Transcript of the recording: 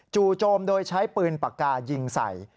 จู่โจมโดยใช้ปืนปากกายิงใส่